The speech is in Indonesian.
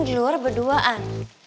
di luar berduaan